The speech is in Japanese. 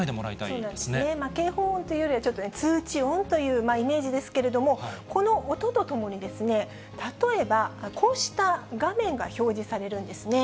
そうですね、警報音というよりは、ちょっとね、通知音というイメージですけれども、この音とともに、例えばこうした画面が表示されるんですね。